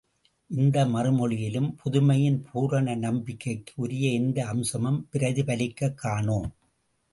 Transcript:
இந்த மறுமொழியிலும் பதுமையின் பூரண நம்பிக்கைக்கு உரிய எந்த அம்சமும் பிரதிபலிக்கக் காணோம்.